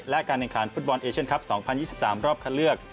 และการแข่งขันฟุตบอลเอเชียนคลับ๒๐๒๓รอบคัดเลือก